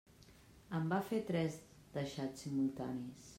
En va fer tres, de xats simultanis!